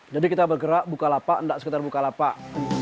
jadi kita bergerak bukalapak enggak sekitar bukalapak